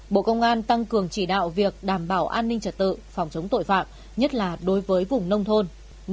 bộ công an tăng cường chỉ đạo việc đảm bảo an ninh trật tự phòng chống tội phạm nhất là đối với vùng nông thôn